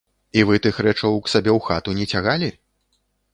І вы тых рэчаў к сабе ў хату не цягалі?